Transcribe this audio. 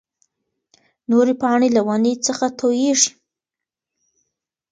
نورې پاڼې له ونې څخه تويېږي.